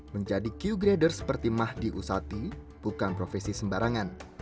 menjadi q grader seperti mahdi usati bukan profesi sembarangan